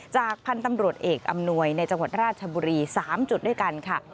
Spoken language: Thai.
จากพันธุ์ตำรวจเอกอำนวยในจังหวัดราชบุรี๓จุดด้วยกันค่ะ